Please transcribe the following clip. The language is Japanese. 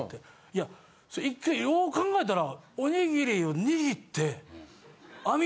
いや１回よう考えたら。